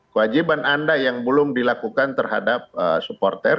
kewajiban anda yang belum dilakukan terhadap supporter